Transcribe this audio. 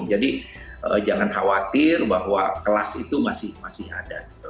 jadi jangan khawatir bahwa kelas itu masih ada